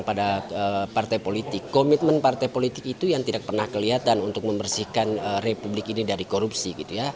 pada partai politik komitmen partai politik itu yang tidak pernah kelihatan untuk membersihkan republik ini dari korupsi gitu ya